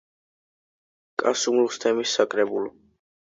კასუმლოს თემის საკრებულო.